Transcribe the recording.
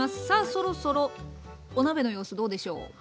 さあそろそろお鍋の様子どうでしょう？